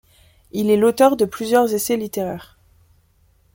Il est l'auteur de plusieurs essais littéraires.